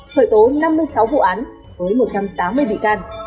khởi tố năm mươi sáu vụ án với một trăm tám mươi bị can